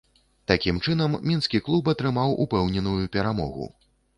Такім чынам, мінскі клуб атрымаў упэўненую перамогу.